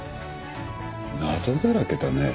謎だらけだね。